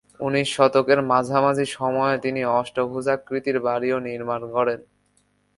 উনিশ শতকের মাঝামাঝি সময়ে তিনি অষ্টভুজাকৃতির বাড়িও নির্মাণ করেন।